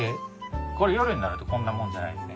これ夜になるとこんなもんじゃないんですね。